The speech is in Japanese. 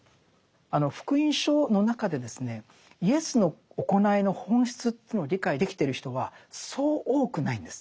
あの「福音書」の中でですねイエスの行いの本質というのを理解できてる人はそう多くないんです。